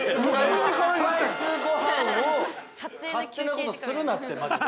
◆スパイスごはんを勝手なことするなって、マジで。